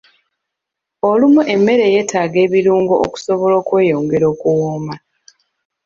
Olumu emmere yeetaaga ebirungo okusobola okweyongera okuwooma.